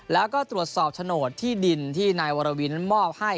แล้วก็ตรวจสอบโฉนดที่ดินที่นายวรวินมอบให้